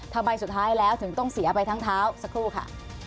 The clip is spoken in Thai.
สุดท้ายแล้วถึงต้องเสียไปทั้งเท้าสักครู่ค่ะ